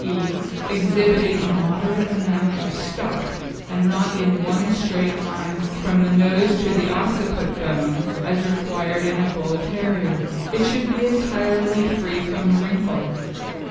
e._ exhibiting a moderate amount of stop and not in one straight line from the nose to the occiput bone as required in a Bull terrier. It should be entirely free from wrinkle.